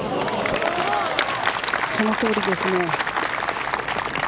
そのとおりですね。